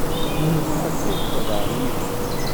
Maɣef ay txedɛem Yidir?